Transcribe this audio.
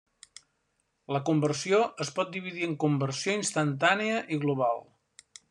La conversió es pot dividir en conversió instantània i global.